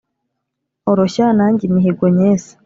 oroshya nanjye imihigo nyese